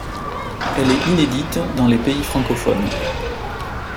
Elle est inédite dans les pays francophones.